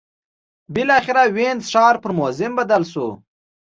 بالاخره وینز ښار پر موزیم بدل شو